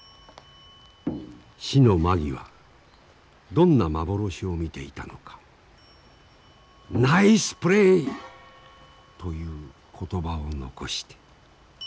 死の間際どんな幻を見ていたのか「ナイスプレー」という言葉を残して。